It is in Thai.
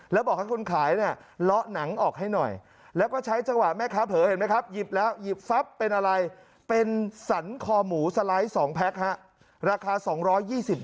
แล้วบอกให้คุณขายเนี่ยละหนังออกให้หน่อย